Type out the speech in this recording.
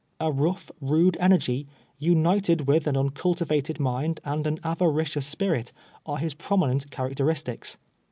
A rough, rude energy, united with an uncultivated mind and an avaricious spirit, are his prominent characteristics.